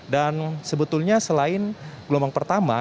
dan sebetulnya selain gelombang pertama